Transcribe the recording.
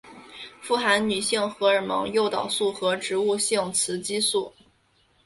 富含女性荷尔蒙诱导素和植物性雌激素。